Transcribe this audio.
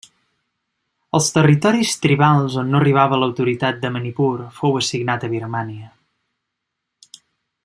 Els territoris tribals on no arribava l'autoritat de Manipur fou assignat a Birmània.